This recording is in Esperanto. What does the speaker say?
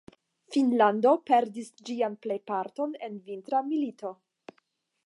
Finnlando perdis ĝian plejparton en Vintra milito.